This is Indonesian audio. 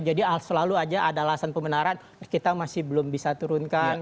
jadi selalu saja ada alasan pemenaran kita masih belum bisa turunkan